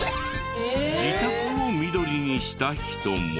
自宅を緑にした人も。